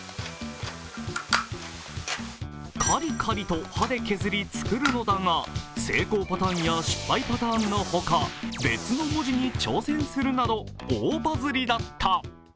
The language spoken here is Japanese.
カリカリと歯で削り作るのだが成功パターンや失敗パターンの他、別の文字に挑戦するなど大バズりだった。